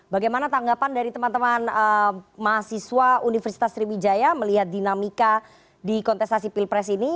bagaimana tanggapan dari teman teman mahasiswa universitas sriwijaya melihat dinamika di kontestasi pilpres ini